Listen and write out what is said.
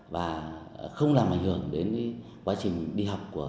và không làm ảnh hưởng đến quá trình đi học